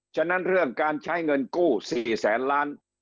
ฉะนั้นเรื่องการใช้เงินกู้๔แสนล้าน